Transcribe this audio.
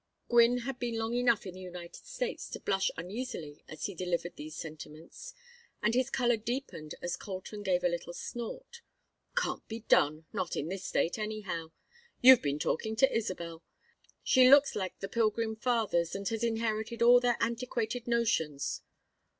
Gwynne had been long enough in the United States to blush uneasily as he delivered these sentiments, and his color deepened as Colton gave a little snort. "Can't be done. Not in this State, anyhow. You've been talking to Isabel. She looks like the Pilgrim Fathers and has inherited all their antiquated notions.